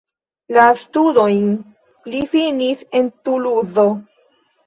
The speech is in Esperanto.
La studojn li finis en Tuluzo.